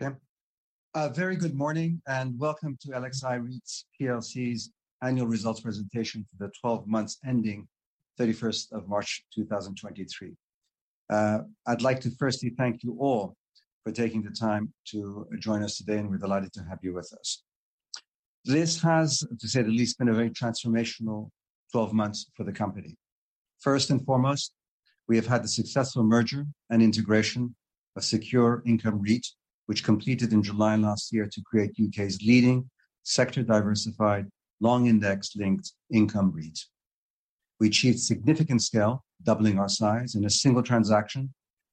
Okay. A very good morning, welcome to LXi REIT plc's annual results presentation for the 12 months ending 31st of March, 2023. I'd like to firstly thank you all for taking the time to join us today, and we're delighted to have you with us. This has, to say the least, been a very transformational 12 months for the company. First and foremost, we have had the successful merger and integration of Secure Income REIT, which completed in July last year to create UK's leading sector diversified, long index linked income REIT. We achieved significant scale, doubling our size in a single transaction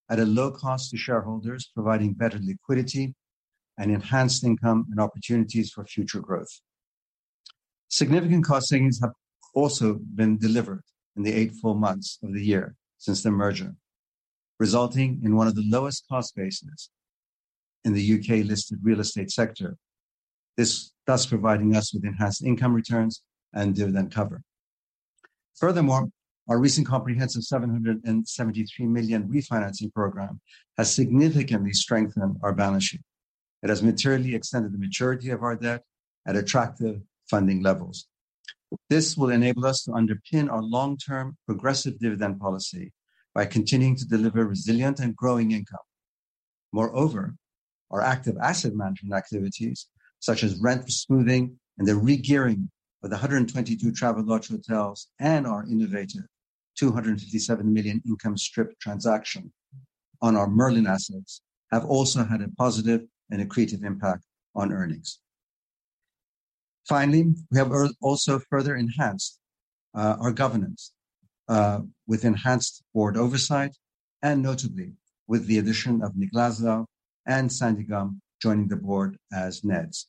at a low cost to shareholders, providing better liquidity and enhanced income and opportunities for future growth. Significant cost savings have also been delivered in the eight full months of the year since the merger, resulting in one of the lowest cost bases in the UK listed real estate sector. This thus providing us with enhanced income returns and dividend cover. Furthermore, our recent comprehensive 773 million refinancing program has significantly strengthened our balance sheet. It has materially extended the maturity of our debt at attractive funding levels. This will enable us to underpin our long-term progressive dividend policy by continuing to deliver resilient and growing income. Moreover, our active asset management activities, such as rent smoothing and the regearing of the 122 Travelodge hotels and our innovative 257 million income strip transaction on our Merlin assets, have also had a positive and accretive impact on earnings. Finally, we have also further enhanced our governance, with enhanced board oversight and notably with the addition of Nick Leslau and Sandy Gumm joining the board as NEDs.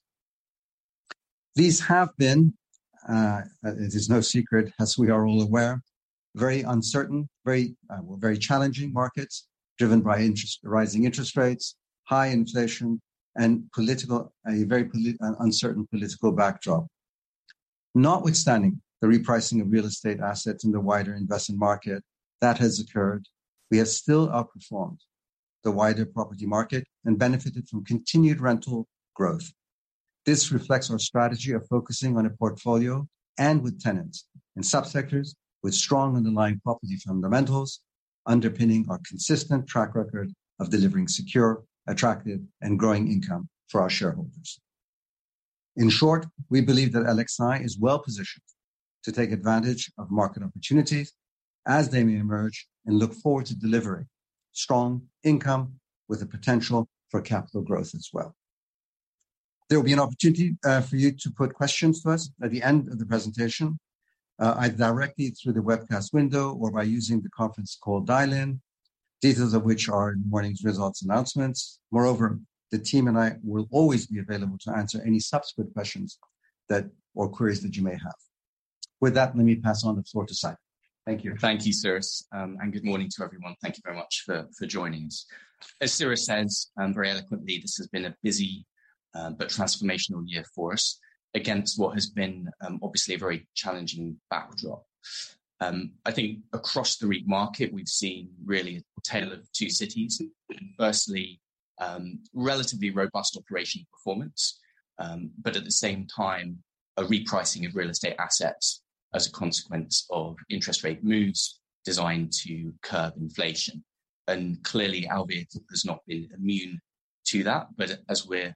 These have been, it is no secret, as we are all aware, very uncertain, very challenging markets, driven by interest, rising interest rates, high inflation, and a very uncertain political backdrop. Notwithstanding the repricing of real estate assets in the wider investment market that has occurred, we have still outperformed the wider property market and benefited from continued rental growth. This reflects our strategy of focusing on a portfolio and with tenants in subsectors with strong underlying property fundamentals, underpinning our consistent track record of delivering secure, attractive, and growing income for our shareholders. In short, we believe that LXi is well positioned to take advantage of market opportunities as they may emerge and look forward to delivering strong income with the potential for capital growth as well. There will be an opportunity for you to put questions to us at the end of the presentation, either directly through the webcast window or by using the conference call dial-in, details of which are in morning's results announcements. The team and I will always be available to answer any subsequent questions that or queries that you may have. With that, let me pass on the floor to Simon. Thank you. Thank you, Cyrus. Good morning to everyone. Thank you very much for joining us. As Cyrus says, very eloquently, this has been a busy but transformational year for us against what has been obviously a very challenging backdrop. I think across the REIT market, we've seen really a tale of two cities. Firstly, relatively robust operational performance, but at the same time, a repricing of real estate assets as a consequence of interest rate moves designed to curb inflation. Clearly, our vehicle has not been immune to that, but as we're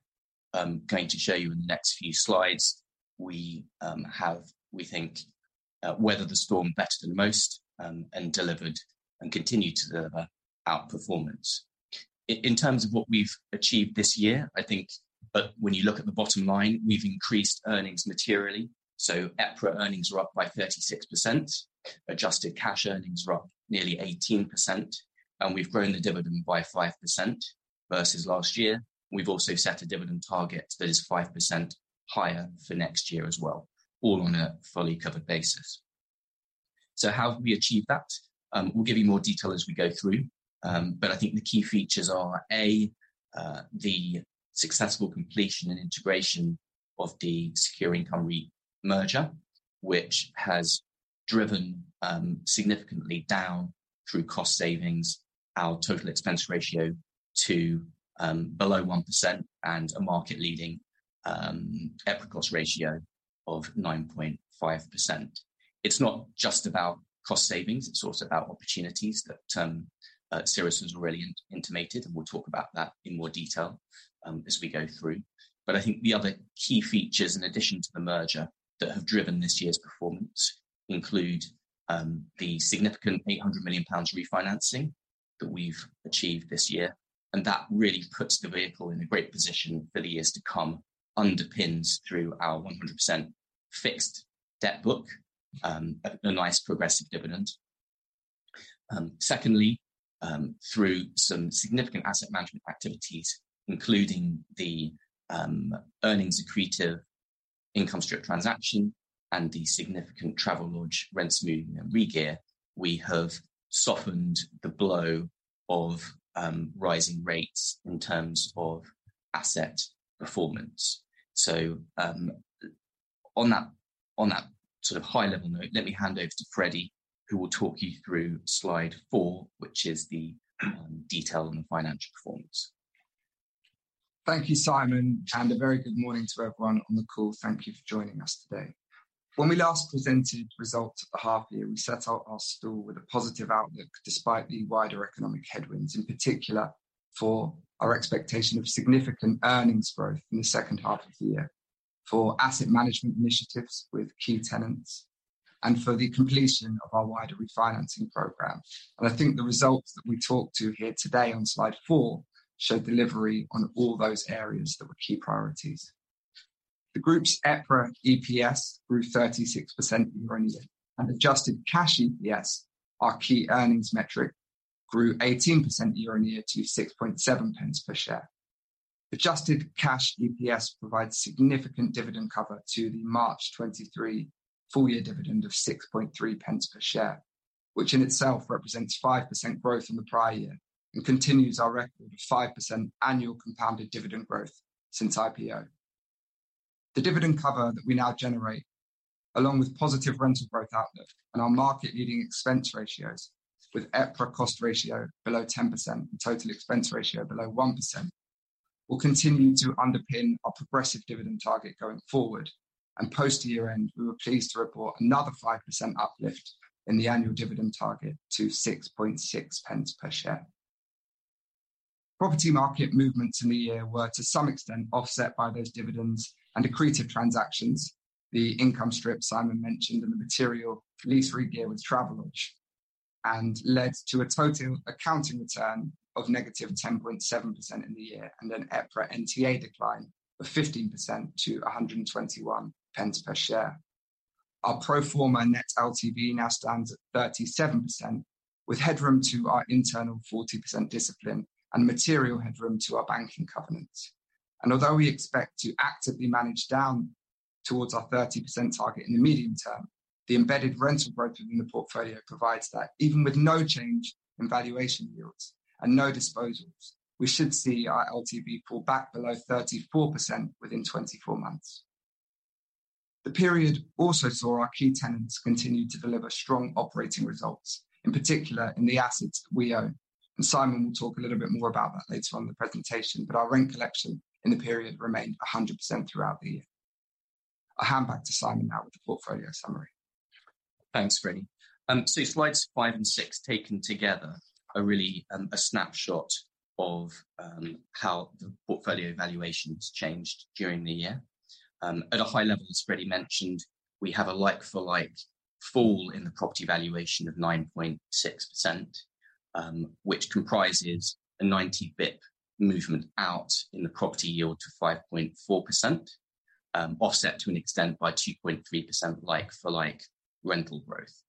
going to show you in the next few slides, we have, we think, weathered the storm better than most and delivered and continue to deliver outperformance. In terms of what we've achieved this year, I think, when you look at the bottom line, we've increased earnings materially. EPRA earnings are up by 36%. Adjusted cash earnings are up nearly 18%, and we've grown the dividend by 5% versus last year. We've also set a dividend target that is 5% higher for next year as well, all on a fully covered basis. How have we achieved that? We'll give you more detail as we go through. I think the key features are, A, the successful completion and integration of the Secure Income REIT merger, which has driven significantly down through cost savings, our total expense ratio to below 1% and a market-leading EPRA cost ratio of 9.5%. It's not just about cost savings, it's also about opportunities that Cyrus has already intimated, and we'll talk about that in more detail as we go through. I think the other key features, in addition to the merger, that have driven this year's performance include the significant 800 million pounds refinancing that we've achieved this year, and that really puts the vehicle in a great position for the years to come, underpins through our 100% fixed debt book, a nice progressive dividend. Secondly, through some significant asset management activities, including the earnings accretive income strip transaction and the significant Travelodge rent smoothing and regear, we have softened the blow of rising rates in terms of asset performance. On that sort of high level note, let me hand over to Freddie, who will talk you through slide four, which is the detail on the financial performance. Thank you, Simon. A very good morning to everyone on the call. Thank you for joining us today. When we last presented results at the half year, we set out our stall with a positive outlook, despite the wider economic headwinds, in particular, for our expectation of significant earnings growth in the second half of the year, for asset management initiatives with key tenants, and for the completion of our wider refinancing program. I think the results that we talked to here today on slide four, show delivery on all those areas that were key priorities. The group's EPRA EPS grew 36% year-on-year, and adjusted cash EPS, our key earnings metric, grew 18% year-on-year to 0.067 per share. Adjusted cash EPS provides significant dividend cover to the March 2023 full year dividend of 6.3 pence per share, which in itself represents 5% growth from the prior year, continues our record of 5% annual compounded dividend growth since IPO. The dividend cover that we now generate, along with positive rental growth outlook and our market-leading expense ratios, with EPRA cost ratio below 10% and total expense ratio below 1%, will continue to underpin our progressive dividend target going forward. Post the year-end, we were pleased to report another 5% uplift in the annual dividend target to 6.6 pence per share. Property market movements in the year were, to some extent, offset by those dividends and accretive transactions, the income strip Simon mentioned, and the material lease regear with Travelodge, led to a total accounting return of negative 10.7% in the year, and an EPRA NTA decline of 15% to 121 pence per share. Our pro forma net LTV now stands at 37%, with headroom to our internal 40% discipline and material headroom to our banking covenants. Although we expect to actively manage down towards our 30% target in the medium term, the embedded rental growth in the portfolio provides that even with no change in valuation yields and no disposals, we should see our LTV fall back below 34% within 24 months. The period also saw our key tenants continue to deliver strong operating results, in particular, in the assets that we own. Simon will talk a little bit more about that later on in the presentation. Our rent collection in the period remained 100% throughout the year. I'll hand back to Simon now with the portfolio summary. Thanks, Freddie. Slides five and six, taken together, are really a snapshot of how the portfolio valuations changed during the year. At a high level, as Freddie mentioned, we have a like for like fall in the property valuation of 9.6%, which comprises a 90 bip movement out in the property yield to 5.4%, offset to an extent by 2.3% like for like rental growth.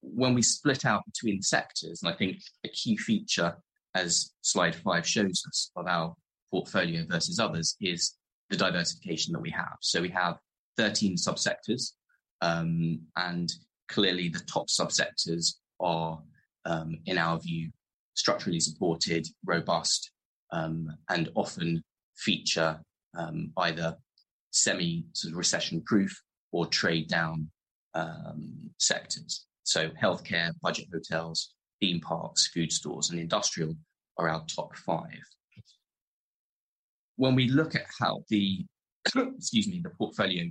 When we split out between sectors, and I think a key feature, as slide five shows us, of our portfolio versus others, is the diversification that we have. We have 13 sub-sectors, and clearly the top sub-sectors are, in our view, structurally supported, robust, and often feature either semi sort of recession-proof or trade down sectors. Healthcare, budget hotels, theme parks, food stores, and industrial are our top five. When we look at how the, excuse me, the portfolio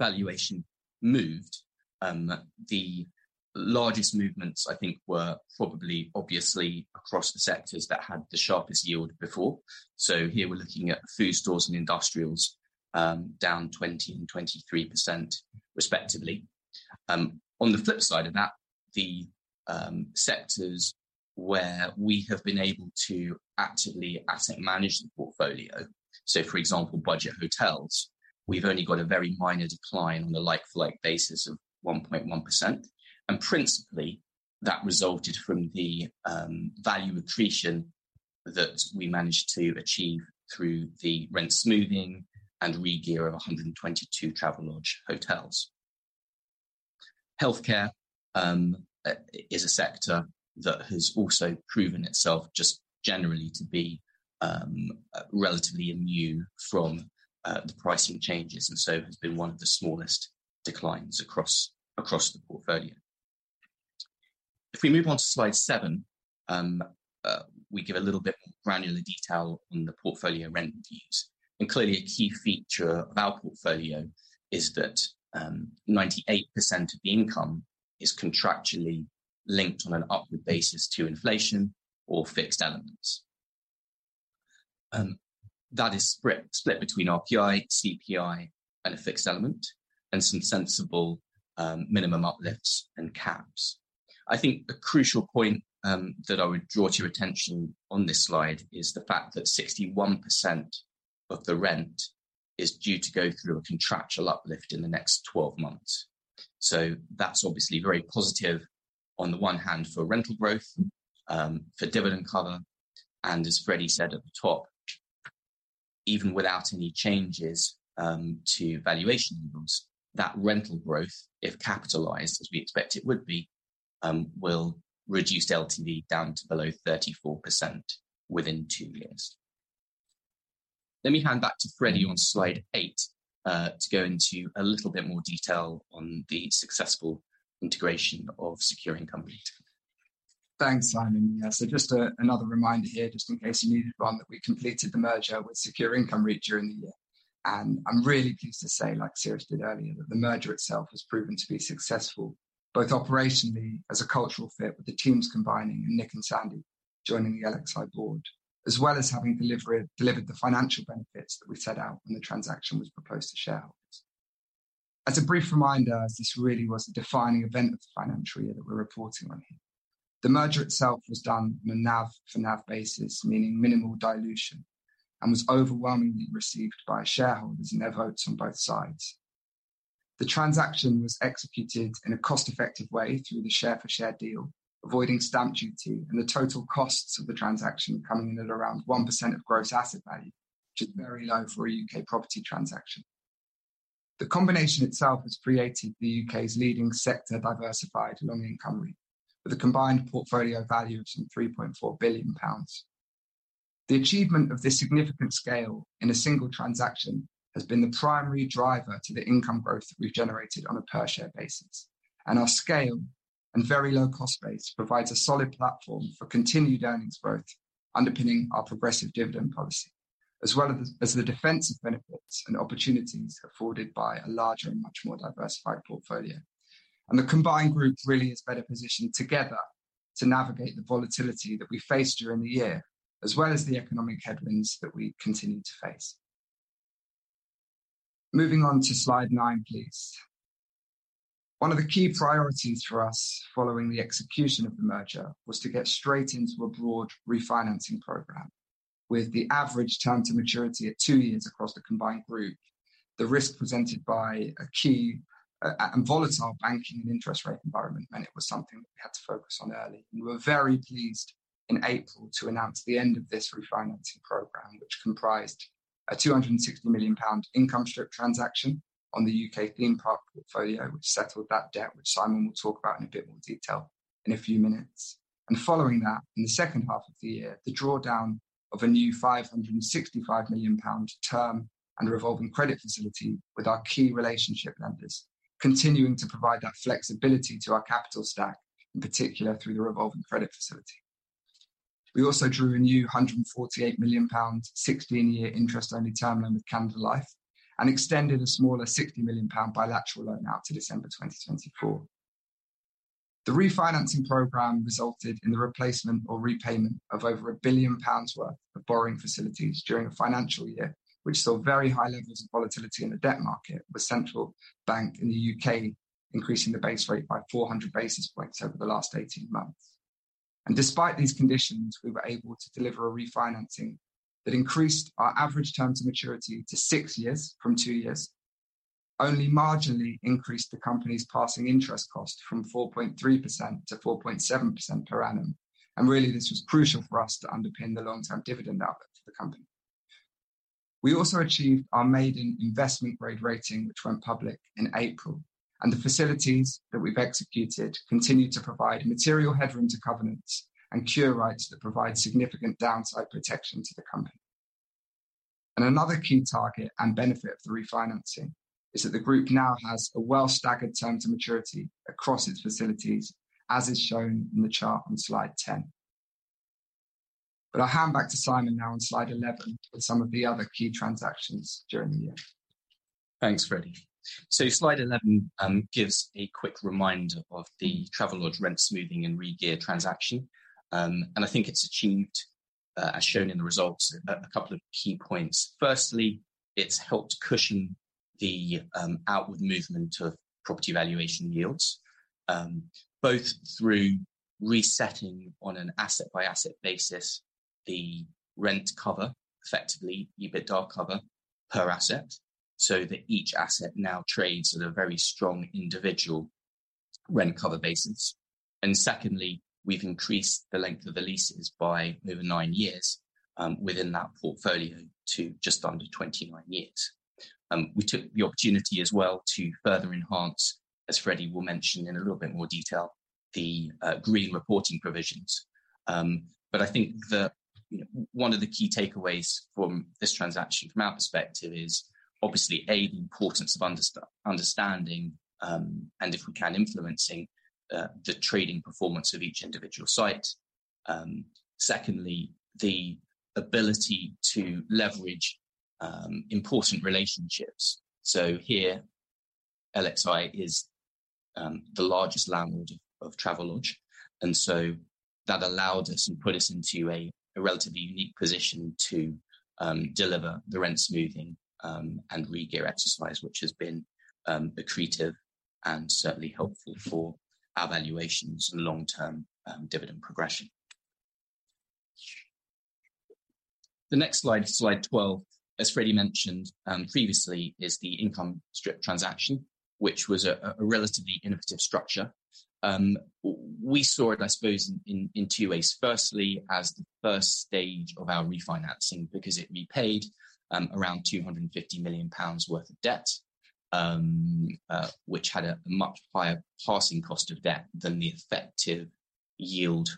valuation moved, the largest movements, I think, were probably obviously across the sectors that had the sharpest yield before. Here we're looking at food stores and industrials, down 20% and 23% respectively. On the flip side of that, the sectors where we have been able to actively asset manage the portfolio, so, for example, budget hotels, we've only got a very minor decline on a like-for-like basis of 1.1%. Principally, that resulted from the value accretion that we managed to achieve through the rent smoothing and regear of 122 Travelodge hotels. Healthcare is a sector that has also proven itself just generally to be relatively immune from the pricing changes, and so has been one of the smallest declines across the portfolio. If we move on to slide seven, we give a little bit more granular detail on the portfolio rent fees. Clearly a key feature of our portfolio is that 98% of the income is contractually linked on an upward basis to inflation or fixed elements. That is split between RPI, CPI, and a fixed element, and some sensible minimum uplifts and caps. I think the crucial point that I would draw to your attention on this slide, is the fact that 61% of the rent is due to go through a contractual uplift in the next 12 months. That's obviously very positive on the one hand for rental growth, for dividend cover, and as Freddie said at the top, even without any changes to valuation yields, that rental growth, if capitalized, as we expect it would be, will reduce LTV down to below 34% within two years. Let me hand back to Freddie on slide eight to go into a little bit more detail on the successful integration of Secure Income REIT. Thanks, Simon. Yeah, just another reminder here, just in case you needed one, that we completed the merger with Secure Income REIT during the year. I'm really pleased to say, like Cyrus did earlier, that the merger itself has proven to be successful, both operationally as a cultural fit with the teams combining, and Nick and Sandy joining the LXI board. As well as having delivered the financial benefits that we set out when the transaction was proposed to shareholders. As a brief reminder, this really was a defining event of the financial year that we're reporting on here. The merger itself was done on a NAV for NAV basis, meaning minimal dilution, and was overwhelmingly received by shareholders in their votes on both sides. The transaction was executed in a cost-effective way through the share-for-share deal, avoiding stamp duty, and the total costs of the transaction coming in at around 1% of gross asset value, which is very low for a UK property transaction. The combination itself has created the UK's leading sector-diversified lending company, with a combined portfolio value of some 3.4 billion pounds. The achievement of this significant scale in a single transaction has been the primary driver to the income growth we've generated on a per-share basis. Our scale and very low cost base provides a solid platform for continued earnings growth, underpinning our progressive dividend policy, as well as the defensive benefits and opportunities afforded by a larger and much more diversified portfolio. The combined group really is better positioned together to navigate the volatility that we faced during the year, as well as the economic headwinds that we continue to face. Moving on to slide nine, please. One of the key priorities for us following the execution of the merger, was to get straight into a broad refinancing program. With the average term to maturity at two years across the combined group, the risk presented by a key and volatile banking and interest rate environment, meant it was something that we had to focus on early. We were very pleased in April to announce the end of this refinancing program, which comprised a 260 million pound income strip transaction on the UK caravan park portfolio, which settled that debt, which Simon will talk about in a bit more detail in a few minutes. Following that, in the second half of the year, the drawdown of a new 565 million pound term and revolving credit facility with our key relationship lenders, continuing to provide that flexibility to our capital stack, in particular through the revolving credit facility. We also drew a new GBP 148 million, 16-year interest-only term loan with Canada Life, and extended a smaller GBP 60 million bilateral loan out to December 2024. The refinancing programme resulted in the replacement or repayment of over 1 billion pounds worth of borrowing facilities during the financial year, which saw very high levels of volatility in the debt market, with Central Bank in the UK increasing the base rate by 400 basis points over the last 18 months. Despite these conditions, we were able to deliver a refinancing that increased our average term to maturity to six years from two years, only marginally increased the company's passing interest cost from 4.3% to 4.7% per annum. Really, this was crucial for us to underpin the long-term dividend output for the company. We also achieved our maiden investment grade rating, which went public in April, and the facilities that we've executed continue to provide material headroom to covenants and cure rights that provide significant downside protection to the company. Another key target and benefit of the refinancing, is that the group now has a well-staggered term to maturity across its facilities, as is shown in the chart on slide 10. I'll hand back to Simon now on slide 11, with some of the other key transactions during the year. Thanks, Freddie. Slide 11 gives a quick reminder of the Travelodge rent smoothing and regear transaction. I think it's achieved, as shown in the results, a couple of key points. Firstly, it's helped cushion the outward movement of property valuation yields, both through resetting on an asset-by-asset basis, the rent cover, effectively EBITDA cover per asset, so that each asset now trades at a very strong individual rent cover basis. Secondly, we've increased the length of the leases by over 9 years within that portfolio to just under 29 years. We took the opportunity as well to further enhance, as Freddie will mention in a little bit more detail, the green reporting provisions. I think the one of the key takeaways from this transaction from our perspective is, obviously, A, the importance of understanding, and if we can, influencing, the trading performance of each individual site. Secondly, the ability to leverage, important relationships. Here, LXI is the largest landlord of Travelodge, that allowed us and put us into a relatively unique position to deliver the rent smoothing, and regear exercise, which has been accretive and certainly helpful for our valuations and long-term, dividend progression. The next slide 12, as Freddie mentioned, previously, is the income strip transaction, which was a relatively innovative structure. we saw it, I suppose, in, in two ways. As the first stage of our refinancing, because it repaid 250 million pounds worth of debt, which had a much higher passing cost of debt than the effective yield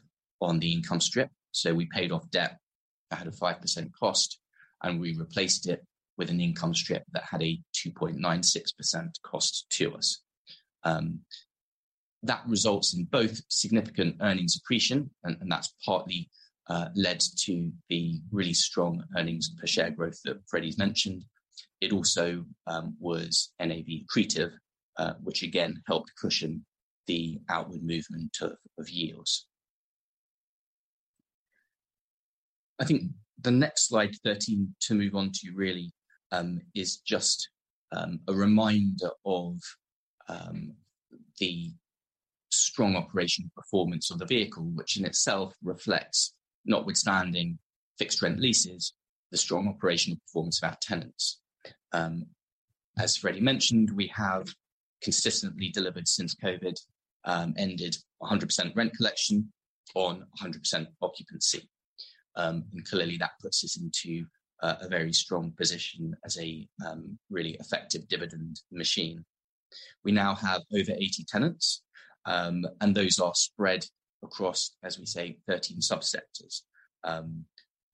on the income strip. We paid off debt that had a 5% cost, and we replaced it with an income strip that had a 2.96% cost to us. That results in both significant earnings accretion, and that's partly led to the really strong earnings per share growth that Freddie's mentioned. It also was NAV accretive, which again, helped cushion the outward movement of yields. I think the next slide, 13, to move on to really, is just a reminder of the strong operational performance of the vehicle, which in itself reflects, notwithstanding fixed rent leases, the strong operational performance of our tenants. As Freddie mentioned, we have consistently delivered since COVID ended 100% rent collection on 100% occupancy. Clearly, that puts us into a very strong position as a really effective dividend machine. We now have over 80 tenants, and those are spread across, as we say, 13 sub-sectors.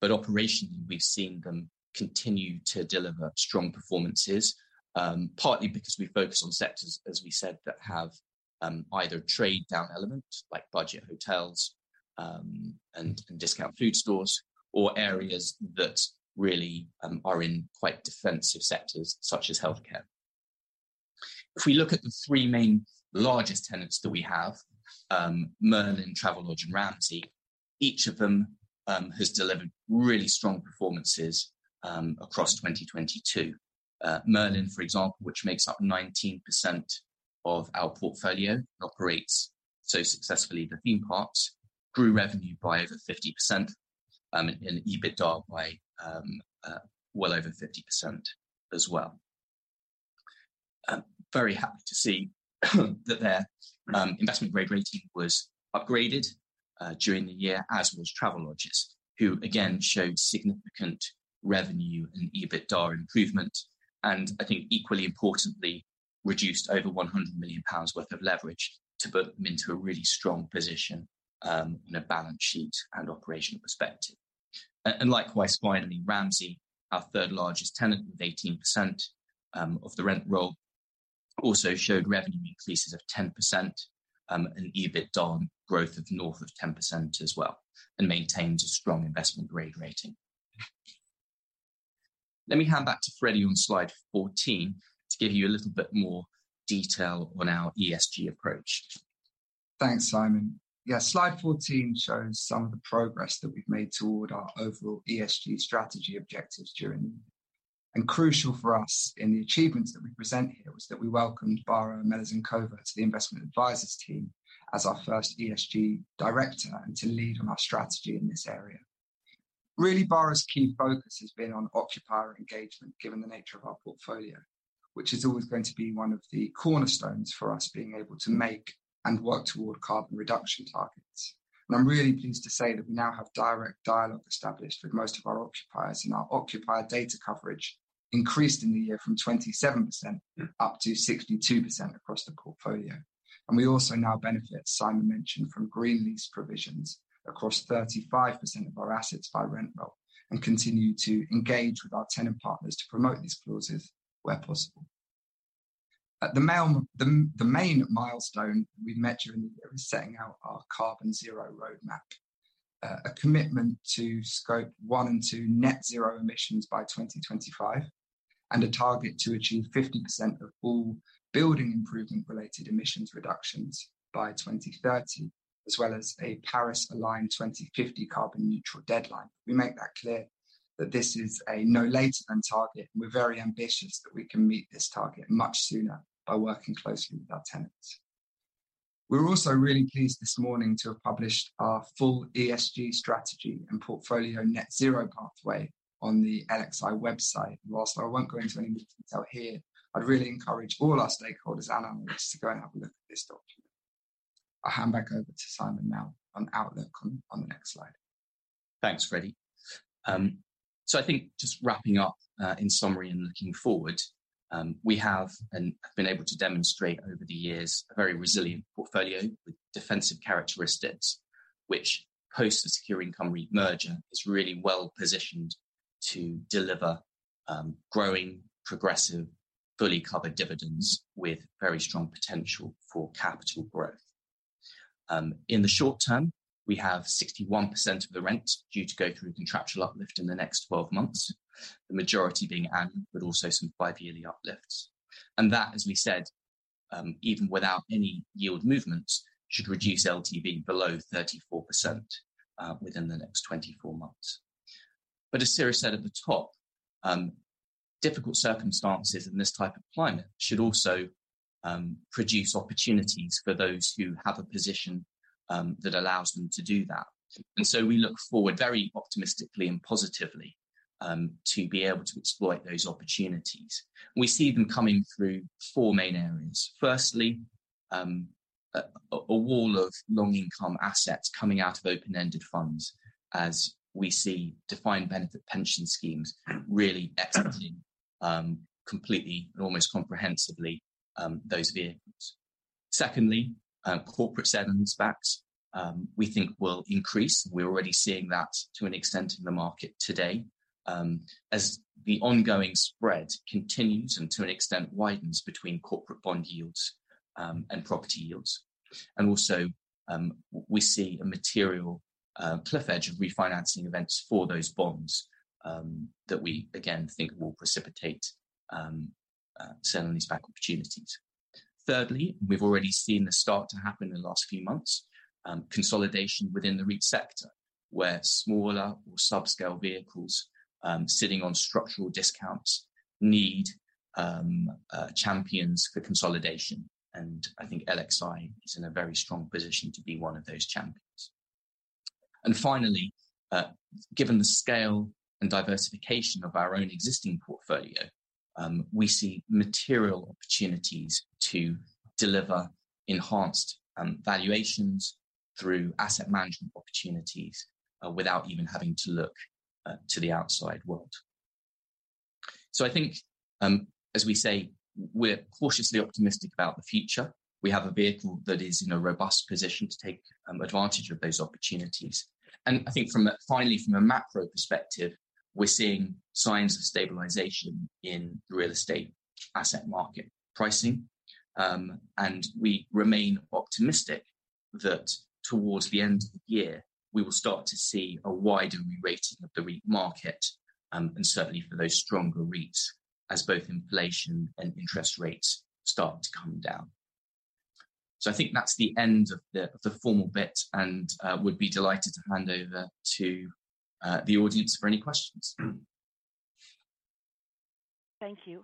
Operationally, we've seen them continue to deliver strong performances, partly because we focus on sectors, as we said, that have either trade down elements, like budget hotels, and discount food stores, or areas that really are in quite defensive sectors, such as healthcare. If we look at the three main largest tenants that we have, Merlin, Travelodge, and Ramsay, each of them has delivered really strong performances across 2022. Merlin, for example, which makes up 19% of our portfolio, operates so successfully. The theme parks grew revenue by over 50%, and EBITDA by well over 50% as well. I'm very happy to see that their investment grade rating was upgraded during the year, as was Travelodge's, who, again, showed significant revenue and EBITDA improvement, and I think equally importantly, reduced over 100 million pounds worth of leverage to put them into a really strong position in a balance sheet and operational perspective. Likewise, finally, Ramsay, our third largest tenant, with 18% of the rent roll, also showed revenue increases of 10%, and EBITDA growth of north of 10% as well, and maintains a strong investment grade rating. Let me hand back to Freddie on slide 14 to give you a little bit more detail on our ESG approach. Thanks, Simon. Yeah, slide 14 shows some of the progress that we've made toward our overall ESG strategy objectives during the year. Crucial for us in the achievements that we present here, was that we welcomed Barbora Melezínková to the investment advisors team as our first ESG Director, and to lead on our strategy in this area. Really, Bara's key focus has been on occupier engagement, given the nature of our portfolio, which is always going to be one of the cornerstones for us being able to make and work toward carbon reduction targets. I'm really pleased to say that we now have direct dialogue established with most of our occupiers, and our occupier data coverage increased in the year from 27% up to 62% across the portfolio. We also now benefit, Simon mentioned, from green lease provisions across 35% of our assets by rent roll, and continue to engage with our tenant partners to promote these clauses where possible. The main milestone we met during the year was setting out our net zero pathway, a commitment to Scope one and two net zero emissions by 2025, and a target to achieve 50% of all building improvement-related emissions reductions by 2030, as well as a Paris-aligned 2050 carbon neutral deadline. We make that clear that this is a no later than target, and we're very ambitious that we can meet this target much sooner by working closely with our tenants. We're also really pleased this morning to have published our full ESG strategy and portfolio net zero pathway on the LXi website. Whilst I won't go into any detail here, I'd really encourage all our stakeholders and analysts to go and have a look at this document. I'll hand back over to Simon now on outlook on the next slide. Thanks, Freddie. I think just wrapping up, in summary and looking forward, we have and have been able to demonstrate over the years, a very resilient portfolio with defensive characteristics, which post the Secure Income REIT merger, is really well positioned to deliver, growing, progressive, fully covered dividends with very strong potential for capital growth. In the short term, we have 61% of the rent due to go through a contractual uplift in the next 12 months, the majority being annual, but also some five-yearly uplifts. That, as we said, even without any yield movements, should reduce LTV below 34% within the next 24 months. As Sarah said at the top, difficult circumstances in this type of climate should also produce opportunities for those who have a position that allows them to do that. We look forward very optimistically and positively to be able to exploit those opportunities. We see them coming through four main areas. Firstly, a wall of long income assets coming out of open-ended funds, as we see defined benefit pension schemes really exiting completely and almost comprehensively those vehicles. Secondly, corporate sale and leasebacks, we think will increase. We're already seeing that to an extent in the market today, as the ongoing spread continues, and to an extent, widens between corporate bond yields and property yields. Also, we see a material cliff edge of refinancing events for those bonds that we, again, think will precipitate sell and leaseback opportunities. Thirdly, we've already seen this start to happen in the last few months, consolidation within the REIT sector, where smaller or subscale vehicles, sitting on structural discounts need champions for consolidation, and I think LXi is in a very strong position to be one of those champions. Finally, given the scale and diversification of our own existing portfolio, we see material opportunities to deliver enhanced valuations through asset management opportunities, without even having to look to the outside world. I think, as we say, we're cautiously optimistic about the future. We have a vehicle that is in a robust position to take advantage of those opportunities. Finally, from a macro perspective, we're seeing signs of stabilization in the real estate asset market pricing. We remain optimistic that towards the end of the year, we will start to see a wider re-rating of the REIT market, and certainly for those stronger REITs, as both inflation and interest rates start to come down. I think that's the end of the formal bit and would be delighted to hand over to the audience for any questions? Thank you.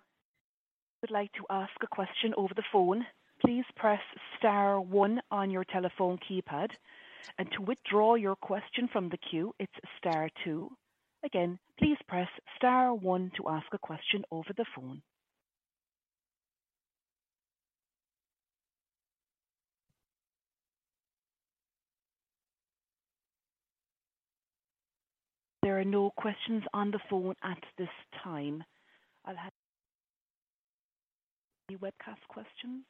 If you'd like to ask a question over the phone, please press star one on your telephone keypad. To withdraw your question from the queue, it's star two. Again, please press star one to ask a question over the phone. There are no questions on the phone at this time. Any webcast questions?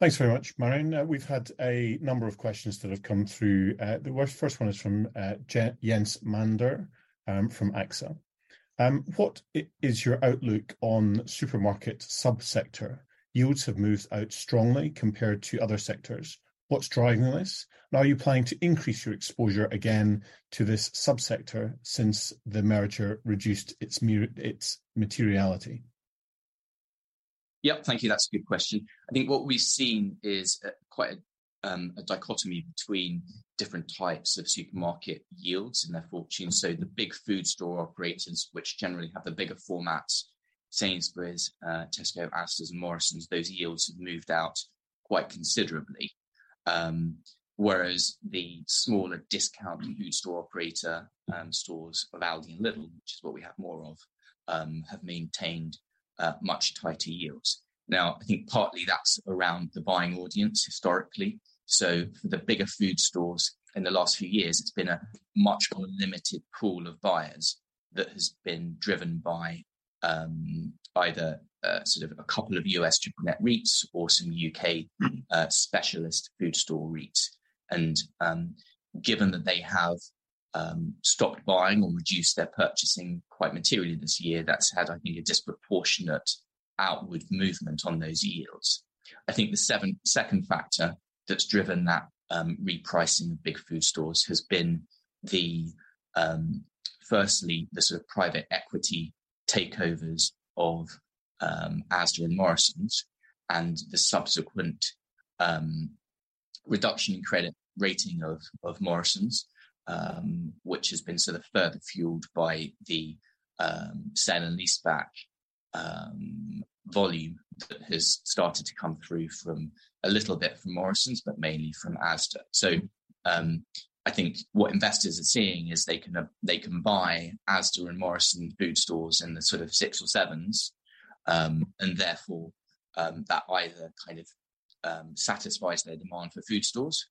Thanks very much, Maureen. We've had a number of questions that have come through. The first one is from Jens Mander from AXA. What is your outlook on supermarket sub-sector? Yields have moved out strongly compared to other sectors. What's driving this? Are you planning to increase your exposure again to this sub-sector since the merger reduced its materiality? Yep. Thank you. That's a good question. I think what we've seen is quite a dichotomy between different types of supermarket yields and their fortunes. The big food store operators, which generally have the bigger formats, Sainsbury's, Tesco, Asda, and Morrisons, those yields have moved out quite considerably. Whereas the smaller discount food store operator, stores of Aldi and Lidl, which is what we have more of, have maintained much tighter yields. Now, I think partly that's around the buying audience historically. For the bigger food stores in the last few years, it's been a much more limited pool of buyers that has been driven by either a couple of U.S. internet REITs or some U.K. specialist food store REITs. Given that they have stopped buying or reduced their purchasing quite materially this year, that's had, I think, a disproportionate outward movement on those yields. I think the second factor that's driven that repricing of big food stores has been the firstly, the sort of private equity takeovers of Asda and Morrisons, and the subsequent reduction in credit rating of Morrisons, which has been sort of further fueled by the sell and leaseback volume that has started to come through from a little bit from Morrisons, but mainly from Asda. I think what investors are seeing is they can have, they can buy Asda and Morrisons food stores in the sort of six or 7s, and therefore, that either kind of satisfies their demand for food stores,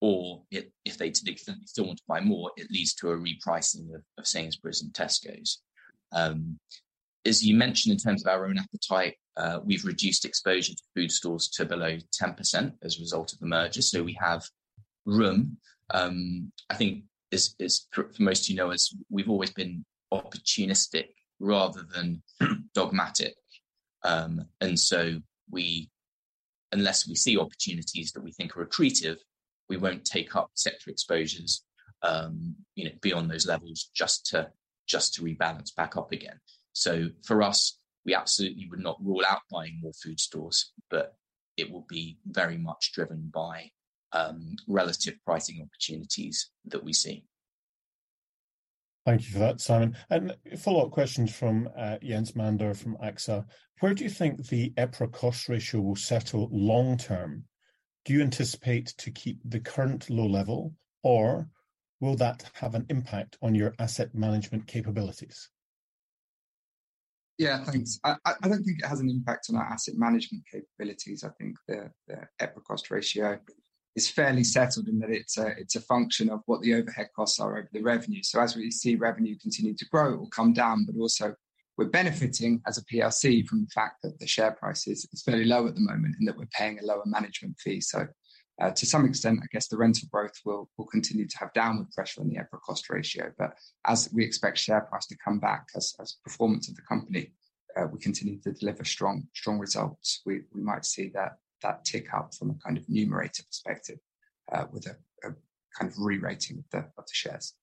or if they still want to buy more, it leads to a repricing of Sainsbury's and Tesco's. As you mentioned, in terms of our own appetite, we've reduced exposure to food stores to below 10% as a result of the merger, so we have room. I think as most of you know us, we've always been opportunistic rather than dogmatic. We, unless we see opportunities that we think are accretive, we won't take up sector exposures, you know, beyond those levels, just to rebalance back up again. For us, we absolutely would not rule out buying more food stores, but it will be very much driven by relative pricing opportunities that we see. Thank you for that, Simon. A follow-up question from Jens Mander, from AXA. Where do you think the EPRA cost ratio will settle long term? Do you anticipate to keep the current low level, or will that have an impact on your asset management capabilities? Yeah, thanks. I don't think it has an impact on our asset management capabilities. I think the EPRA cost ratio it's fairly settled in that it's a function of what the overhead costs are over the revenue. As we see revenue continue to grow, it will come down, but also we're benefiting as a PLC from the fact that the share price is very low at the moment, and that we're paying a lower management fee. To some extent, I guess the rental growth will continue to have downward pressure on the overhead cost ratio. As we expect share price to come back, as performance of the company, we continue to deliver strong results, we might see that tick up from a kind of numerator perspective, with a kind of rerating of the shares.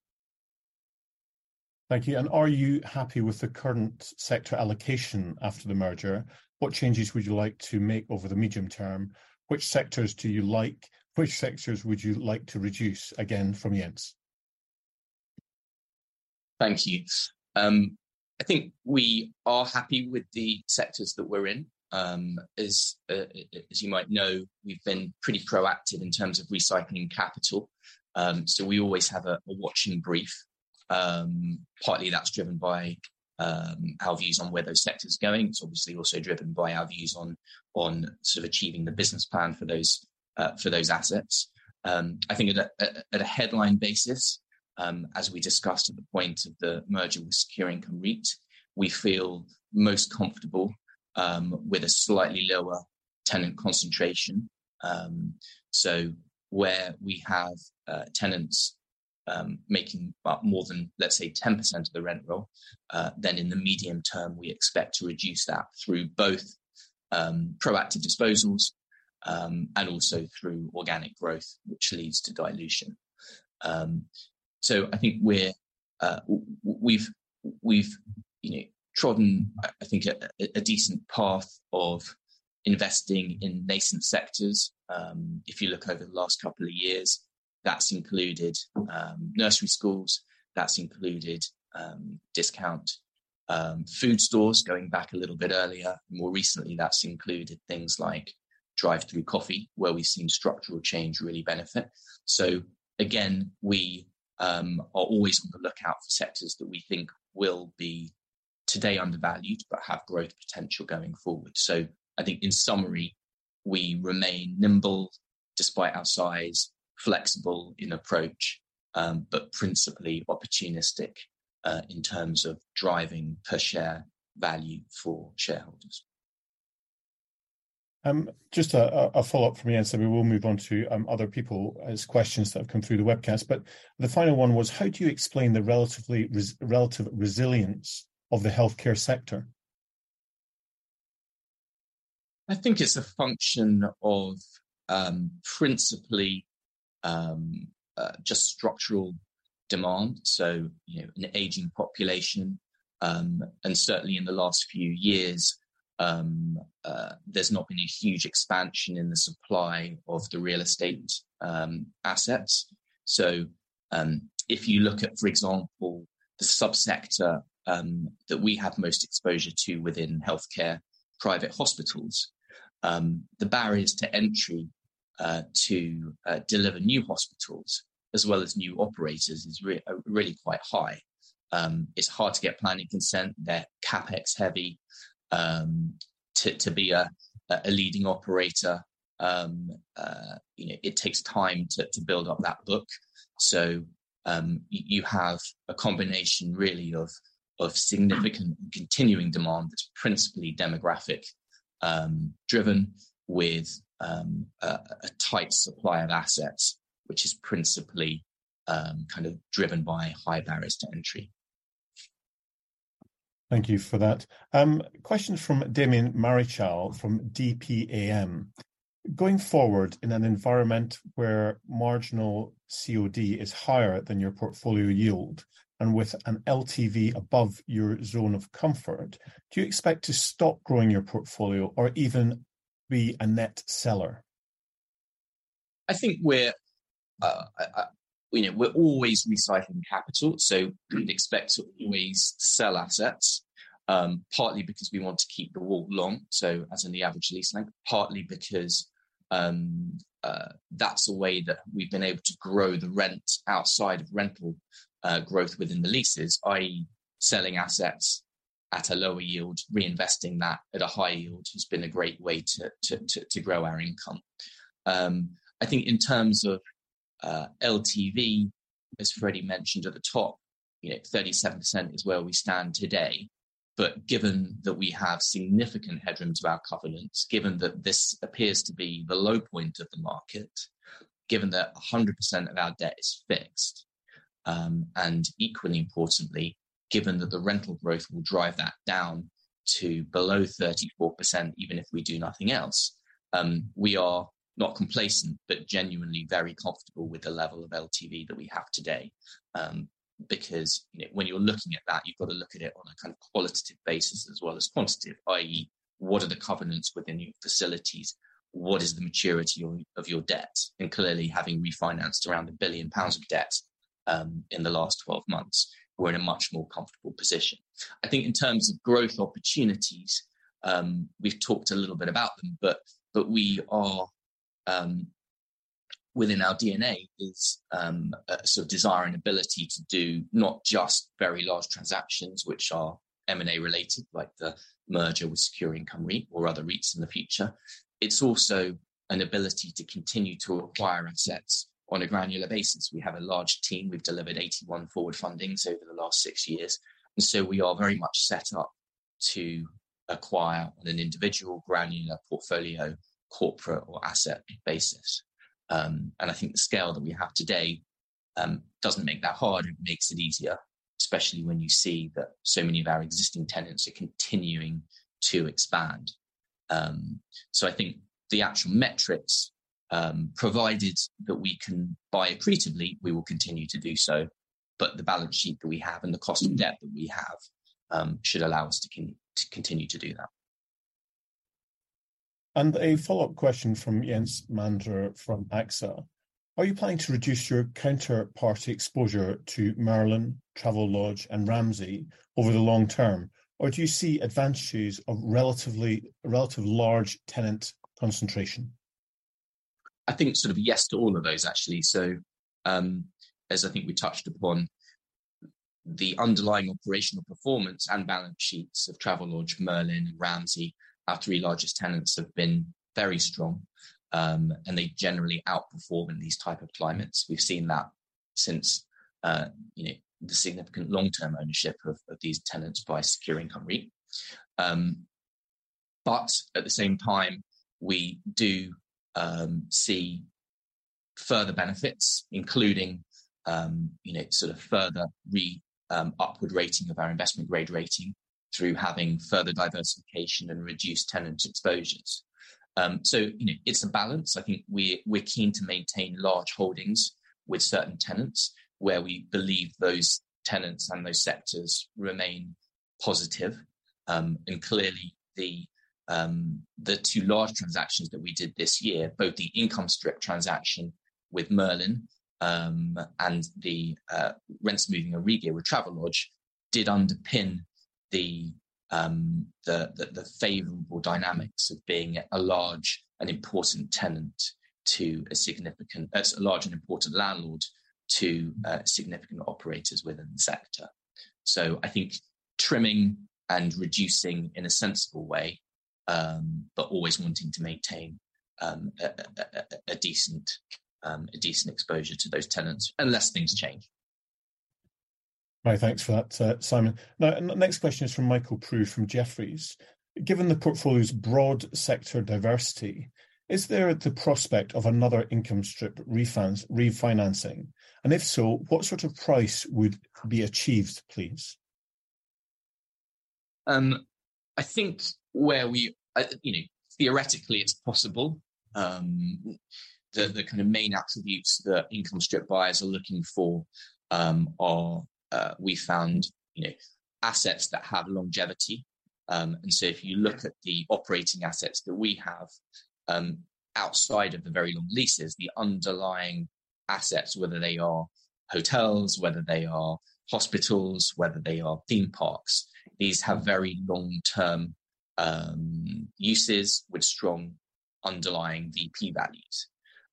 Thank you. Are you happy with the current sector allocation after the merger? What changes would you like to make over the medium term? Which sectors do you like? Which sectors would you like to reduce, again, from Jens? Thank you. I think we are happy with the sectors that we're in. As, as you might know, we've been pretty proactive in terms of recycling capital. We always have a watching brief. Partly that's driven by our views on where those sector is going. It's obviously also driven by our views on sort of achieving the business plan for those, for those assets. I think at a headline basis, as we discussed at the point of the merger with Secure Income REIT, we feel most comfortable with a slightly lower tenant concentration. Where we have tenants making about more than, let's say, 10% of the rent roll, then in the medium term, we expect to reduce that through both proactive disposals and also through organic growth, which leads to dilution. I think we've, you know, trodden, I think, a decent path of investing in nascent sectors. If you look over the last couple of years, that's included nursery schools, that's included discount food stores going back a little bit earlier. More recently, that's included things like drive-through coffee, where we've seen structural change really benefit. Again, we are always on the lookout for sectors that we think will be today undervalued, but have growth potential going forward. I think in summary, we remain nimble, despite our size, flexible in approach, but principally opportunistic, in terms of driving per share value for shareholders. Just a follow-up from me. We will move on to other people as questions that have come through the webcast. The final one was, how do you explain the relatively relative resilience of the healthcare sector? I think it's a function of, principally, just structural demand, so, you know, an aging population. Certainly in the last few years, there's not been a huge expansion in the supply of the real estate assets. If you look at, for example, the sub-sector that we have most exposure to within healthcare, private hospitals, the barriers to entry to deliver new hospitals as well as new operators is really quite high. It's hard to get planning consent. They're CapEx heavy. To be a leading operator, you know, it takes time to build up that book. You have a combination, really of significant continuing demand that's principally demographic, driven with a tight supply of assets, which is principally kind of driven by high barriers to entry. Thank you for that. Question from Damien Marichal from DPAM: Going forward, in an environment where marginal COD is higher than your portfolio yield and with an LTV above your zone of comfort, do you expect to stop growing your portfolio or even be a net seller? I think we're, you know, we're always recycling capital, we'd expect to always sell assets, partly because we want to keep the wall long, as in the average lease length, partly because that's the way that we've been able to grow the rent outside of rental growth within the leases, i.e., selling assets at a lower yield. Reinvesting that at a high yield has been a great way to grow our income. I think in terms of LTV, as Freddie mentioned at the top, you know, 37% is where we stand today. Given that we have significant headroom to our covenants, given that this appears to be the low point of the market, given that 100% of our debt is fixed, and equally importantly, given that the rental growth will drive that down to below 34%, even if we do nothing else, we are not complacent, but genuinely very comfortable with the level of LTV that we have today. Because, you know, when you're looking at that, you've got to look at it on a kind of qualitative basis as well as quantitative, i.e., what are the covenants within your facilities? What is the maturity of your debt? Clearly, having refinanced around 1 billion pounds of debt, in the last 12 months, we're in a much more comfortable position. I think in terms of growth opportunities, we've talked a little bit about them, but we are within our DNA is a sort of desire and ability to do not just very large transactions, which are M&A related, like the merger with Secure Income REIT or other REITs in the future. It's also an ability to continue to acquire assets on a granular basis. We have a large team. We've delivered 81 forward fundings over the last six years. We are very much set up to acquire on an individual, granular, portfolio, corporate, or asset basis. I think the scale that we have today doesn't make that hard, it makes it easier, especially when you see that so many of our existing tenants are continuing to expand. I think the actual metrics, provided that we can buy accretively, we will continue to do so. The balance sheet that we have and the cost of debt that we have, should allow us to continue to do that. A follow-up question from Jens Mander from AXA. Are you planning to reduce your counterparty exposure to Merlin, Travelodge, and Ramsay over the long term? Do you see advantages of relatively large tenant concentration? I think sort of yes to all of those, actually. As I think we touched upon, the underlying operational performance and balance sheets of Travelodge, Merlin, and Ramsay, our three largest tenants, have been very strong. They generally outperform in these type of climates. We've seen that since, you know, the significant long-term ownership of these tenants by Secure Income REIT. At the same time, we do see further benefits, including, you know, sort of further upward rating of our investment grade rating through having further diversification and reduced tenant exposures. You know, it's a balance. I think we're keen to maintain large holdings with certain tenants, where we believe those tenants and those sectors remain positive. Clearly, the two large transactions that we did this year, both the income strip transaction with Merlin, and the rents moving regear with Travelodge, did underpin the favorable dynamics of being a large and important landlord to significant operators within the sector. I think trimming and reducing in a sensible way, always wanting to maintain a decent exposure to those tenants unless things change. Right. Thanks for that, Simon. Now, the next question is from Michael Prouse, from Jefferies. Given the portfolio's broad sector diversity, is there the prospect of another income strip refinancing? If so, what sort of price would be achieved, please? I think where we theoretically it's possible. The kind of main attributes that income strip buyers are looking for are we found assets that have longevity. If you look at the operating assets that we have outside of the very long leases, the underlying assets, whether they are hotels, whether they are hospitals, whether they are theme parks, these have very long-term uses with strong underlying VP values.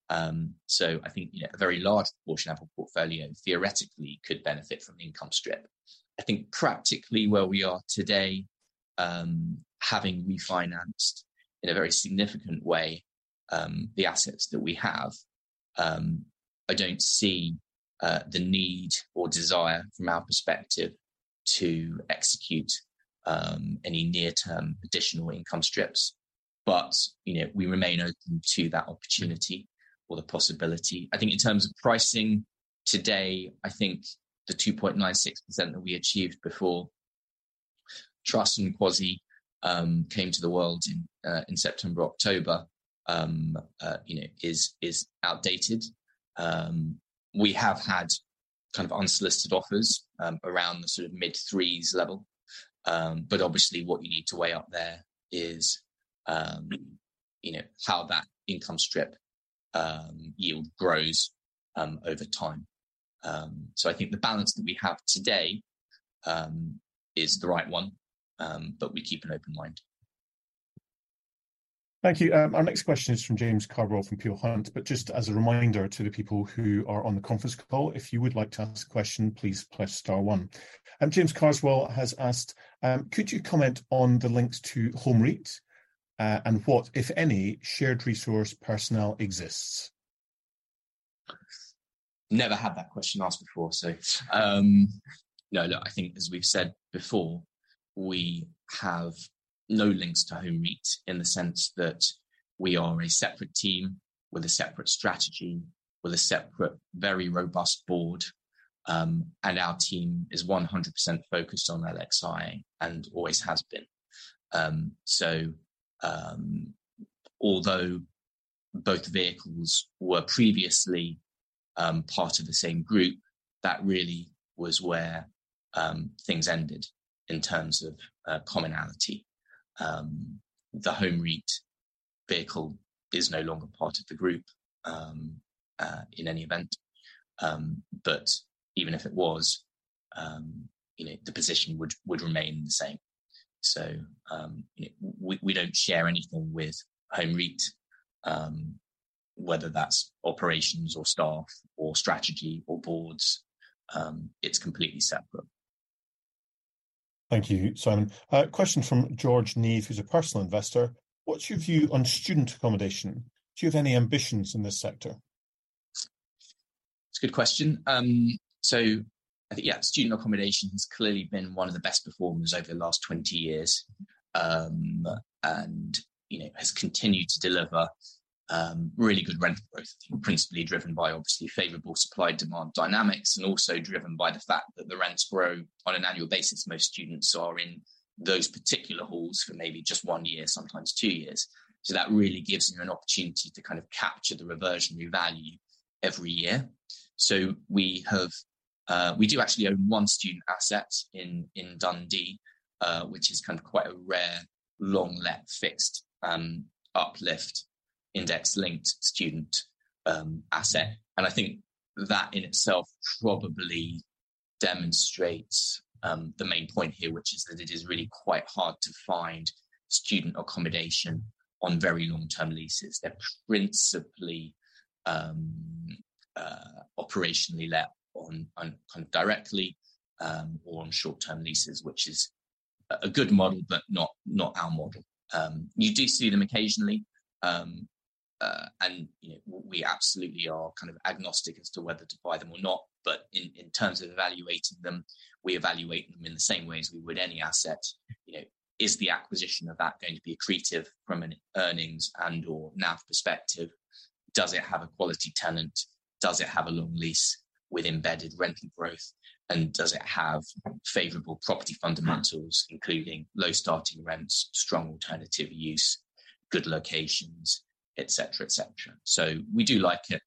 I think a very large portion of our portfolio theoretically could benefit from the income strip. I think practically where we are today, having refinanced in a very significant way, the assets that we have, I don't see the need or desire from our perspective, to execute any near-term additional income strips. You know, we remain open to that opportunity or the possibility. I think in terms of pricing, today, I think the 2.96% that we achieved before Truss and Kwasi came to the world in September, October, you know, is outdated. We have had kind of unsolicited offers around the sort of mid-threes level. Obviously, what you need to weigh up there is, you know, how that income strip yield grows over time. I think the balance that we have today is the right one, but we keep an open mind. Thank you. Our next question is from James Carswell, from Peel Hunt. Just as a reminder to the people who are on the conference call, if you would like to ask a question, please press star one. James Carswell has asked: Could you comment on the links to Home REIT, and what, if any, shared resource personnel exists? Never had that question asked before. No, look, I think as we've said before, we have no links to Home REIT, in the sense that we are a separate team, with a separate strategy, with a separate, very robust board. Our team is 100% focused on LXi and always has been. Although both vehicles were previously part of the same group, that really was where things ended in terms of commonality. The Home REIT vehicle is no longer part of the group in any event. Even if it was, you know, the position would remain the same. You know, we don't share anything with Home REIT. Whether that's operations or staff, or strategy or boards, it's completely separate. Thank you, Simon. A question from George Neave, who's a personal investor: What's your view on student accommodation? Do you have any ambitions in this sector? It's a good question. I think, yeah, student accommodation has clearly been one of the best performers over the last 20 years. You know, has continued to deliver really good rental growth, principally driven by, obviously, favorable supply-demand dynamics, and also driven by the fact that the rents grow on an annual basis. Most students are in those particular halls for maybe just one year, sometimes two years, that really gives you an opportunity to kind of capture the reversionary value every year. We have, we do actually own one student asset in Dundee, which is kind of quite a rare, long let fixed, uplift index-linked student, asset. I think that, in itself, probably demonstrates the main point here, which is that it is really quite hard to find student accommodation on very long-term leases. They're principally operationally let on kind of directly on short-term leases, which is a good model, but not our model. You do see them occasionally. You know, we absolutely are kind of agnostic as to whether to buy them or not, but in terms of evaluating them, we evaluate them in the same way as we would any asset. You know, is the acquisition of that going to be accretive from an earnings and/or NAV perspective? Does it have a quality tenant? Does it have a long lease with embedded renting growth? Does it have favorable property fundamentals, including low starting rents, strong alternative use, good locations, et cetera, et cetera? We do like it,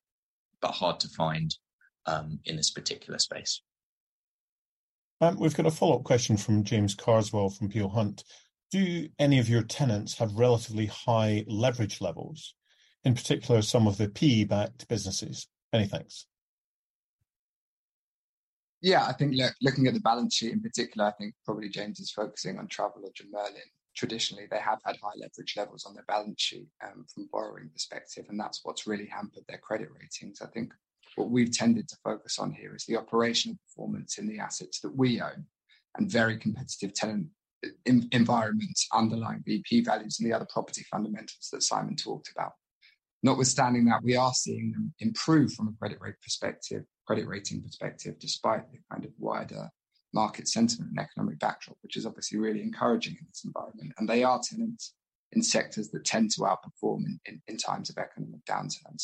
but hard to find in this particular space. We've got a follow-up question from James Carswell, from Peel Hunt: Do any of your tenants have relatively high leverage levels, in particular, some of the PE-backed businesses? Many thanks. I think looking at the balance sheet in particular, I think probably James is focusing on Travelodge and Merlin. Traditionally, they have had high leverage levels on their balance sheet, from a borrowing perspective, that's what's really hampered their credit ratings. I think what we've tended to focus on here is the operational performance in the assets that we own, very competitive tenant environments underlying the key values and the other property fundamentals that Simon talked about. Notwithstanding that, we are seeing them improve from a credit rating perspective, despite the kind of wider market sentiment and economic backdrop, which is obviously really encouraging in this environment. They are tenants in sectors that tend to outperform in times of economic downturn.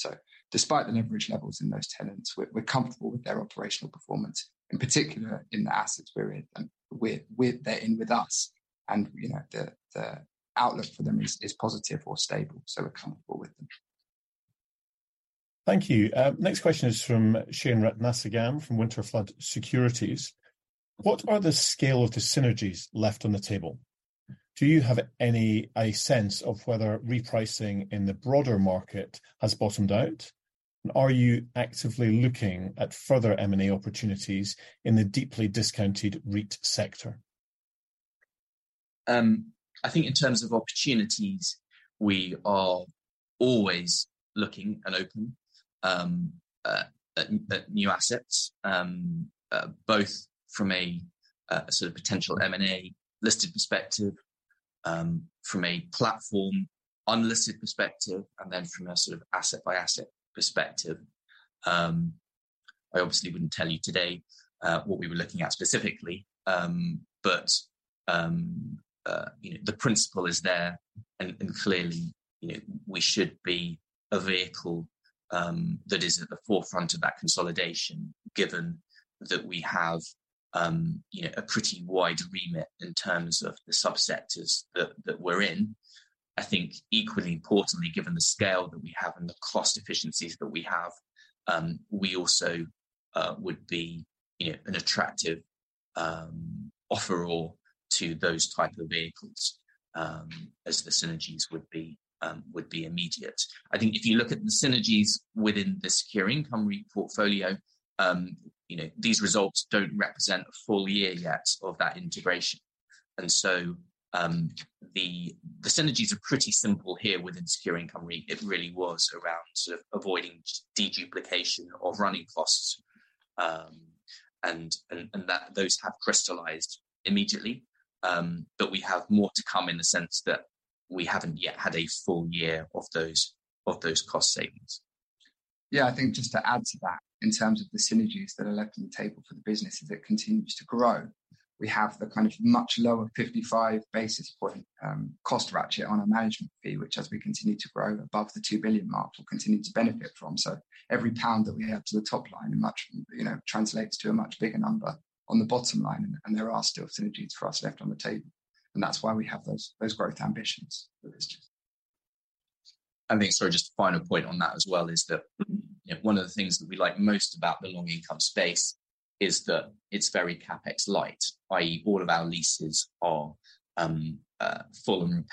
Despite the leverage levels in those tenants, we're comfortable with their operational performance, in particular, in the assets we're in, and with they're in with us. You know, the outlook for them is positive or stable, so we're comfortable with them. Thank you. Next question is from Shayan Ratnasingam, from Winterflood Securities: What are the scale of the synergies left on the table? Do you have any, a sense of whether repricing in the broader market has bottomed out? Are you actively looking at further M&A opportunities in the deeply discounted REIT sector? I think in terms of opportunities, we are always looking and open at new assets. Both from a sort of potential M&A listed perspective, from a platform unlisted perspective, and from a sort of asset-by-asset perspective. I obviously wouldn't tell you today what we were looking at specifically. You know, the principle is there, and clearly, you know, we should be a vehicle that is at the forefront of that consolidation, given that we have, you know, a pretty wide remit in terms of the sub-sectors that we're in. I think equally importantly, given the scale that we have and the cost efficiencies that we have, we also would be, you know, an attractive offeror to those type of vehicles, as the synergies would be immediate. I think if you look at the synergies within the Secure Income REIT portfolio, you know, these results don't represent a full year yet of that integration. So, the synergies are pretty simple here within Secure Income REIT. It really was around sort of avoiding duplication of running costs. And those have crystallized immediately. We have more to come in the sense that we haven't yet had a full year of those, of those cost savings. Yeah, I think just to add to that, in terms of the synergies that are left on the table for the business as it continues to grow, we have the kind of much lower 55 basis point cost ratchet on our management fee, which, as we continue to grow above the 2 billion mark, we'll continue to benefit from. Every GBP that we add to the top line much, you know, translates to a much bigger number on the bottom line, and there are still synergies for us left on the table, and that's why we have those growth ambitions for this year. I think, sorry, just a final point on that as well is that, you know, one of the things that we like most about the long income space is that it's very CapEx-light, i.e., all of our leases are full and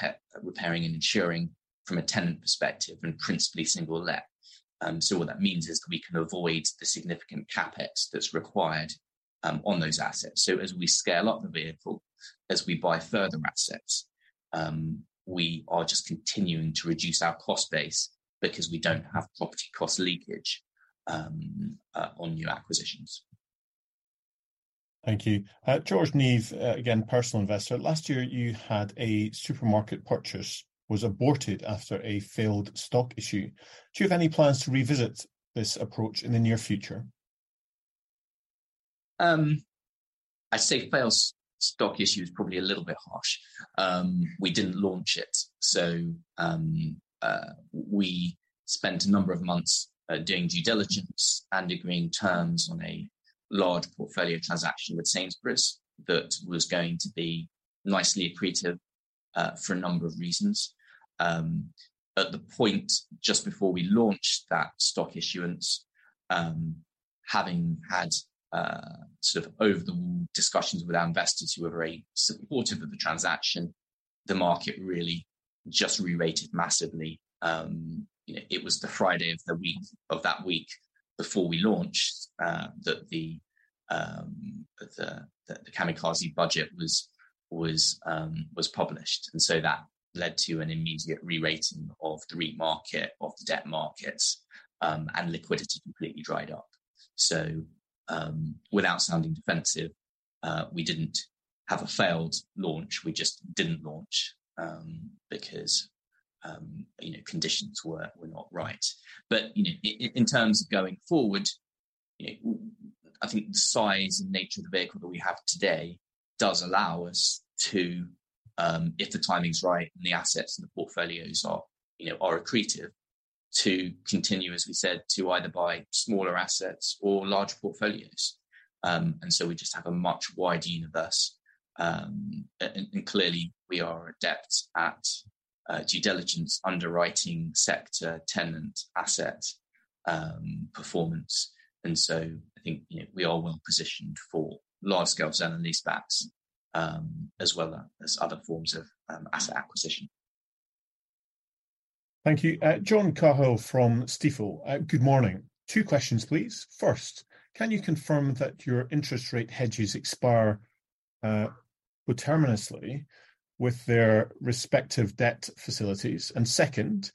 repairing and insuring from a tenant perspective, and principally single let. What that means is we can avoid the significant CapEx that's required on those assets. As we scale up the vehicle, as we buy further assets, we are just continuing to reduce our cost base because we don't have property cost leakage on new acquisitions. Thank you. George Neave, again, Personal Investor: Last year, you had a supermarket purchase, was aborted after a failed stock issue. Do you have any plans to revisit this approach in the near future? I'd say failed stock issue is probably a little bit harsh. We didn't launch it. We spent a number of months doing due diligence and agreeing terms on a large portfolio transaction with Sainsbury's, that was going to be nicely accretive for a number of reasons. At the point, just before we launched that stock issuance, having had sort of over-the-wall discussions with our investors who were very supportive of the transaction, the market really just re-rated massively. It was the Friday of the week, of that week before we launched, that the kamikaze budget was published. That led to an immediate re-rating of the REIT market, of the debt markets, and liquidity completely dried up. Without sounding defensive, we didn't have a failed launch, we just didn't launch, because, you know, conditions were not right. You know, in terms of going forward, you know, I think the size and nature of the vehicle that we have today does allow us to, if the timing's right, and the assets and the portfolios are, you know, are accretive, to continue, as we said, to either buy smaller assets or large portfolios. We just have a much wider universe. And clearly, we are adept at due diligence, underwriting, sector, tenant, asset, performance. I think, you know, we are well positioned for large-scale sale and leasebacks, as well as other forms of asset acquisition. Thank you. John Cahill from Stifel. Good morning. Two questions, please. First, can you confirm that your interest rate hedges expire, co-terminously with their respective debt facilities? Second,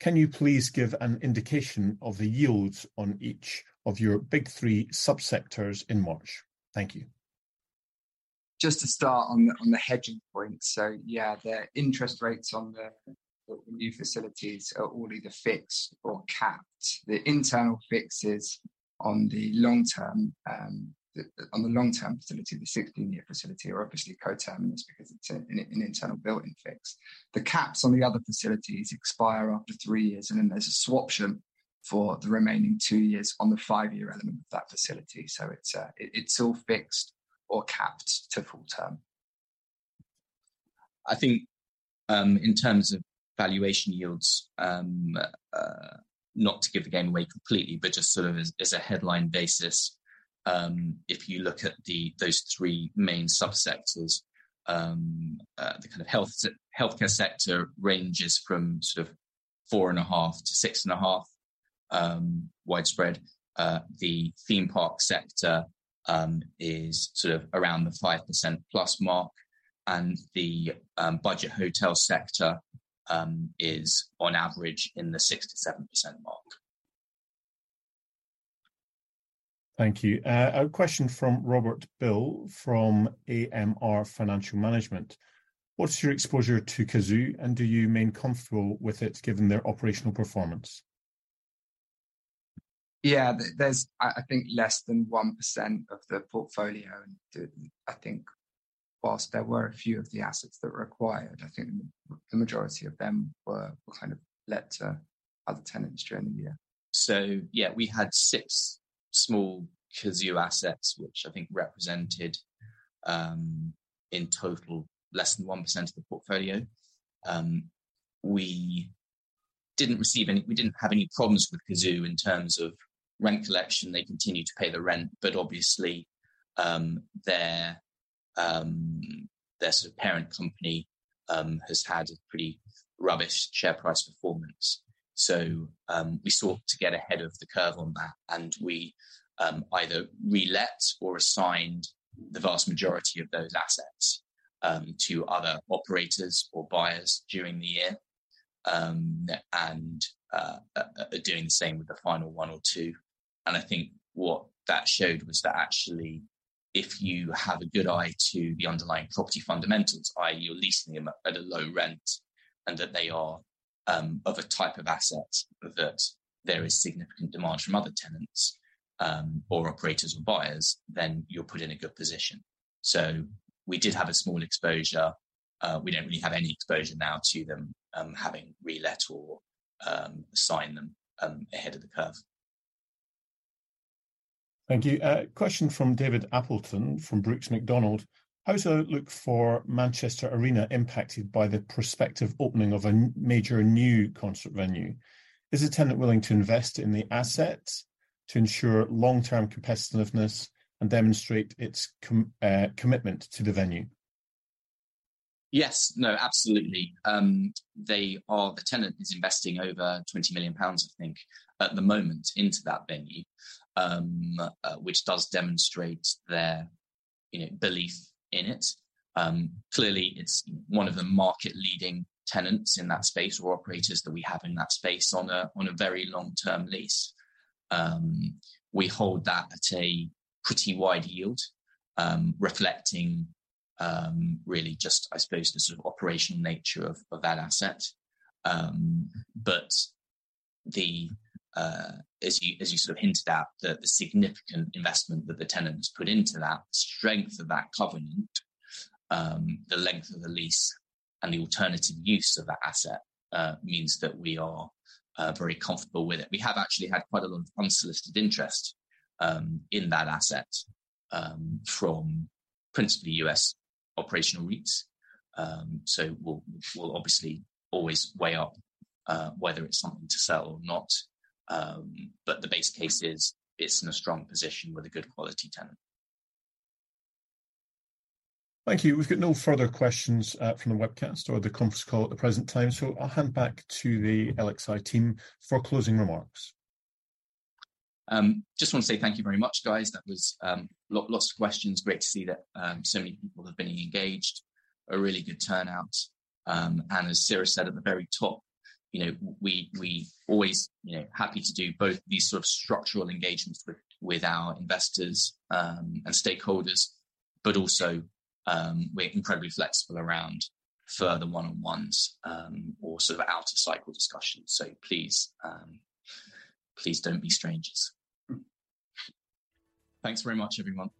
can you please give an indication of the yields on each of your big three sub-sectors in March? Thank you. Just to start on the, on the hedging point. Yeah, the interest rates on the new facilities are all either fixed or capped. The internal fixes on the long term, the, on the long-term facility, the 16-year facility, are obviously co-terminous because it's an internal built-in fix. Then there's a swap option for the remaining two years on the five-year element of that facility. It's all fixed or capped to full-term. I think, in terms of valuation yields, not to give the game away completely, but just sort of as a headline basis, if you look at those three main sub-sectors, the kind of healthcare sector ranges from sort of 4.5%-6.5%, widespread. The theme park sector is sort of around the 5% plus mark, and the budget hotel sector is on average in the 6%-7% mark. Thank you. A question from Robert Bill from AMR Financial Management. What's your exposure to Cazoo, and do you remain comfortable with it, given their operational performance? Yeah, there's, I think less than 1% of the portfolio. I think whilst there were a few of the assets that were acquired, I think the majority of them were kind of let to other tenants during the year. Yeah, we had six small Cazoo assets, which I think represented, in total, less than 1% of the portfolio. We didn't have any problems with Cazoo in terms of rent collection. They continued to pay the rent, obviously, their sort of parent company has had a pretty rubbish share price performance. We sought to get ahead of the curve on that, and we either relet or assigned the vast majority of those assets to other operators or buyers during the year. Doing the same with the final one or two. I think what that showed was that actually, if you have a good eye to the underlying property fundamentals, i.e., you're leasing them at a low rent, and that they are of a type of asset that there is significant demand from other tenants, or operators or buyers, then you're put in a good position. We did have a small exposure. We don't really have any exposure now to them, having relet or assigned them ahead of the curve. Thank you. A question from David Appleton from Brooks Macdonald: How is the outlook for Manchester Arena impacted by the prospective opening of a major new concert venue? Is the tenant willing to invest in the asset to ensure long-term competitiveness and demonstrate its commitment to the venue? Yes. No, absolutely. They are, the tenant is investing over 20 million pounds, I think, at the moment into that venue, which does demonstrate their, you know, belief in it. Clearly, it's one of the market-leading tenants in that space or operators that we have in that space on a very long-term lease. We hold that at a pretty wide yield, reflecting, really just, I suppose, the sort of operational nature of that asset. The, as you sort of hinted at, the significant investment that the tenant has put into that strength of that covenant, the length of the lease and the alternative use of that asset, means that we are very comfortable with it. We have actually had quite a lot of unsolicited interest, in that asset, from principally U.S. operational REITs. We'll obviously always weigh up, whether it's something to sell or not. The base case is, it's in a strong position with a good quality tenant. Thank you. We've got no further questions from the webcast or the conference call at the present time, so I'll hand back to the LXi team for closing remarks. Just want to say thank you very much, guys. That was lots of questions. Great to see that so many people have been engaged. A really good turnout. As Sarah said at the very top, you know, we always, you know, happy to do both these sort of structural engagements with our investors and stakeholders, but also, we're incredibly flexible around further one-on-ones or sort of out-of-cycle discussions. Please don't be strangers. Thanks very much, everyone. Thank you.